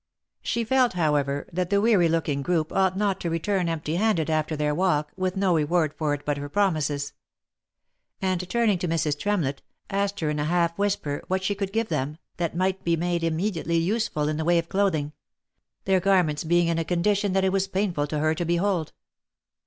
She felt, however, that the weary looking group ought not to return empty handed after their walk, with no reward for it but her promises ; and turning to Mrs. Tremlett, asked her in a half whisper what she could give them, that might be made immediately useful in the way of clothing; their garments being in a condition that it was painful to her to behold.